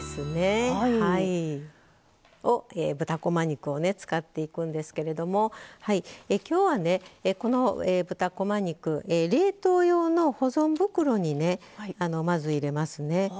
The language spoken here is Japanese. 豚こま肉を使っていくんですけれどもきょうは、この豚こま肉冷凍用の保存袋にまず入れますね。